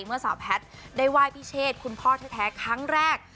เมื่อสาวแพทย์ได้ไหว้พิเชษคุณพ่อแท้ครั้งแรก